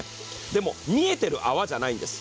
でも見えている泡じゃないんです。